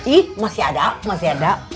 i masih ada masih ada